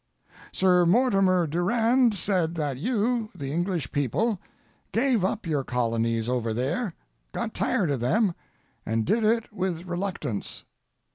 Sir Mortimer Durand said that you, the English people, gave up your colonies over there—got tired of them—and did it with reluctance.